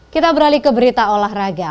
kita beralih ke berita olahraga